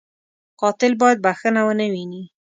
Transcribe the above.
قاتل باید بښنه و نهويني